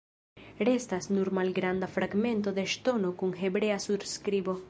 Restas nur malgranda fragmento de ŝtono kun hebrea surskribo.